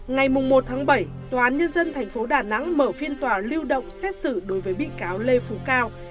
ngày một tháng bảy tòa án nhân dân thành phố đà nẵng mở phiên tòa lưu động xét xử đối với bị cáo lê phú cao